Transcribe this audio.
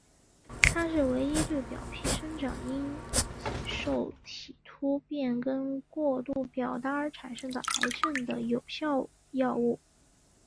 它是唯一对表皮生长因子受体突变跟过度表达而产生的癌症的有效药物。